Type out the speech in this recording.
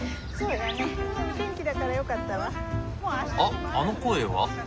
あっあの声は。